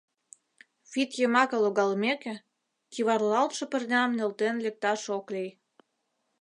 Вӱд йымаке логалмеке, кӱварлалтше пырням нӧлтен лекташ ок лий.